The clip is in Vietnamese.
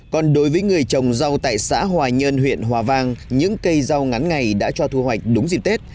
còn đối với người trồng rau tại xã hòa nhơn huyện hòa vang những cây rau ngắn ngày đã cho thu hoạch đúng dịp tết